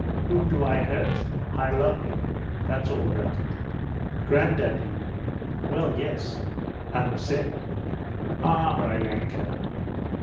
'Whom do I hurt? I love him, that's all about it.' 'Grandad, do you mean?' 'Well, yes!' 'And the sin?' 'Ah, Maryanka!